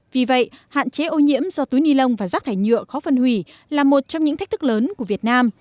vì vậy hạn chế ô nhiễm do túi ni lông và rác thải nhựa khó phân hủy là một trong những thách thức lớn của việt nam